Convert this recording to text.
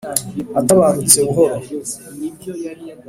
Atabarutse ubuhoro,